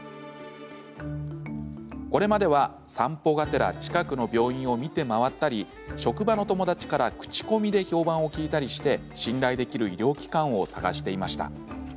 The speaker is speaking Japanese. これまでは、散歩がてら近くの病院を見て回ったり職場の友達から口コミで評判を聞いたりして信頼できる医療機関を探していました。